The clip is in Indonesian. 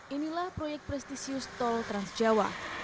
inilah proyek prestisius tol trans jawa